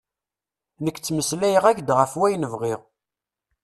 Nekk ttmeslayeɣ-ak-d ɣef wayen bɣiɣ.